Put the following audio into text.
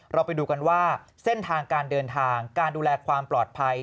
เราไปดูกันว่าเส้นทางการเดินทางการดูแลความปลอดภัย